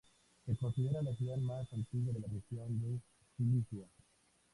Se considera la ciudad más antigua de la región de Cilicia.